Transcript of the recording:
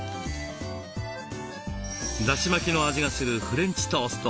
だし巻きの味がするフレンチトースト。